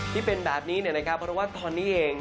ที่เป็นแบบนี้เนี่ยนะครับเพราะว่าตอนนี้เอง